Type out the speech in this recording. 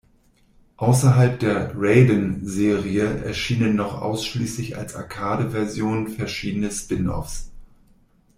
Außerhalb der "Raiden"-Serie erschienen noch ausschließlich als Arcade-Versionen verschiedene Spin-offs.